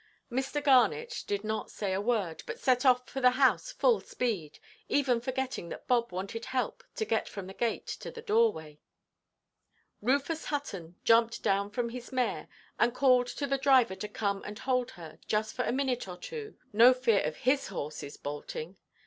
Mr. Garnet did not say a word, but set off for the house full speed, even forgetting that Bob wanted help to get from the gate to the doorway. Rufus Hutton jumped down from his mare, and called to the driver to come and hold her, just for a minute or two; no fear of his horses bolting.